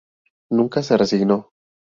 Nunca se resignó.